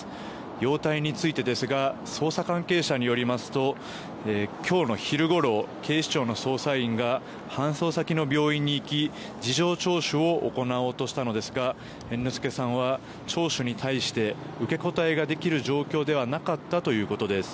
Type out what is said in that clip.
容体についてですが捜査関係者によりますと今日の昼ごろ、警視庁の捜査員が搬送先の病院に行き事情聴取を行おうとしたのですが猿之助さんは聴取に対して受け答えができる状態ではなかったということです。